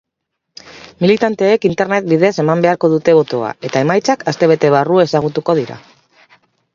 Militanteek internet bidez eman beharko dute botoa eta emaitzak astebete barru ezagutuko dira.